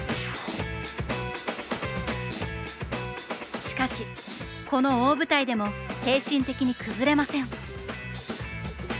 しかしこの大舞台でも精神的に崩れません。